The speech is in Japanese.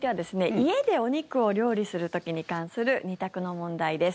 家でお肉を料理する時に関する２択の問題です。